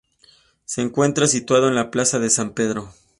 Se encuentra situado en la Plaza de San Pablo.